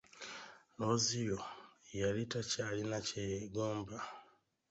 Looziyo yali takyalina kyeyegomba.